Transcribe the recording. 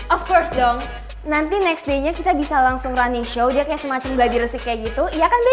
of course dong nanti next day nya kita bisa langsung running show dia kayak semacam gladiresik kayak gitu iya kan deh